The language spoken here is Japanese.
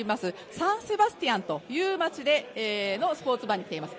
サン・セバスティアンという町のスポーツバーに来ています。